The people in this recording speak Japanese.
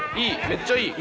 めっちゃいい。